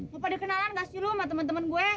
mau pada kenalan kasih dulu sama teman teman gue